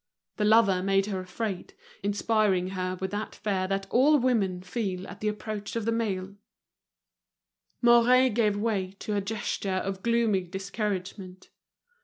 The lover made her afraid, inspiring her with that fear that all women feel at the approach of the male. Mouret gave way to a gesture of gloomy discouragement.